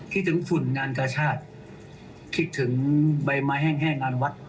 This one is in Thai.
คิดถึงฝุ่นงานกาชาติคิดถึงใบไม้แห้งงานวัด